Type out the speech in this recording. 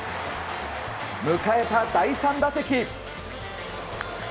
迎えた第３打席。